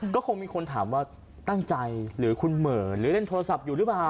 ก็คงมีคนถามว่าตั้งใจหรือคุณเหม่อหรือเล่นโทรศัพท์อยู่หรือเปล่า